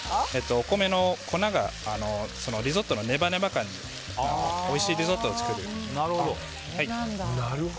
お米の粉がリゾットのネバネバ感にそれでおいしいリゾットを作れます。